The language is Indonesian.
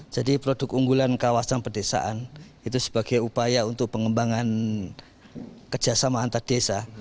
jadi produk unggulan kawasan pedesaan itu sebagai upaya untuk pengembangan kerjasama antar desa